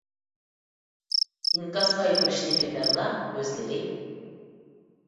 ئىنكاس قايتۇرۇشنى بىلمەملا ئۆزلىرى؟